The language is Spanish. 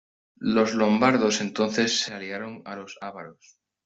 Los lombardos entonces se aliaron a los ávaros.